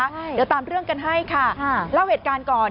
เดี๋ยวตามเรื่องกันให้ค่ะเล่าเหตุการณ์ก่อน